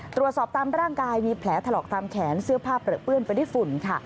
ตามร่างกายมีแผลถลอกตามแขนเสื้อผ้าเปลือเปื้อนไปด้วยฝุ่นค่ะ